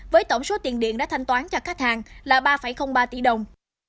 với tổng số tiền điện đã thanh toán cho khách hàng là ba ba tỷ đồng